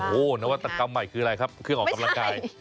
โอ้โหนวัตกรรมใหม่คืออะไรครับเครื่องออกกำลังกาย